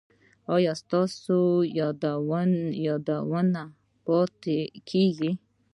ایا ستاسو یادونه پاتې کیږي؟